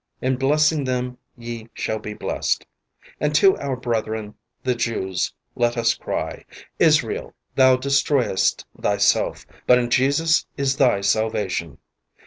In blessing them ye shall be blessed.'' And to our brethren, the Jews, let us cry: "Israel, thou destroyest thyself, but in Jesus is thy salvation."